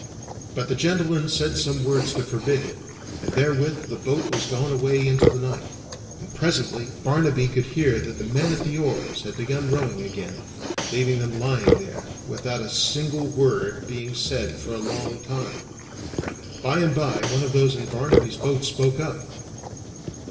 But the gentleman said some words to forbid him, and therewith the boat was gone away into the night, and presently Barnaby could hear that the men at the oars had begun rowing again, leaving them lying there, without a single word being said for a long time. By and by one of those in Barnaby's boat spoke up.